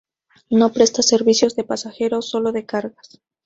No presta servicios de pasajeros, sólo de cargas.